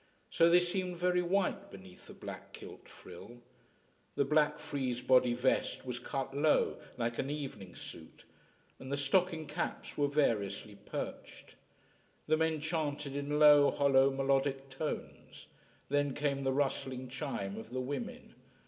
So they seemed very white beneath the back kilt frill. The black frieze body vest was cut low, like an evening suit, and the stocking caps were variously perched. The men chanted in low, hollow, melodic tones. Then came the rustling chime of the women.